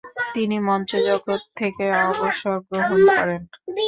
তিনি মঞ্চজগৎ থেকে অবসর গ্রহণ করেন।